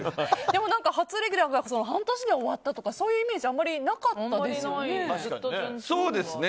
でも初レギュラーが半年で終わったとかそういうイメージあんまりなかったですよね。